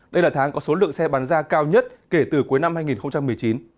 đây là tháng có số lượng xe bán ra cao nhất kể từ cuối năm hai nghìn một mươi chín